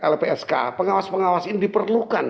lpsk pengawas pengawas ini diperlukan